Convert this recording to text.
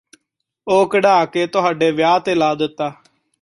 ਉਹ ਕੱਢਾਕੇ ਤੁਹਾਡੇ ਵਿਆਹ ਤੇ ਲਾ ਦਿੱਤਾ